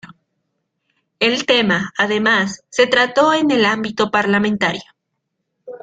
El tema, además, se trató en el ámbito parlamentario.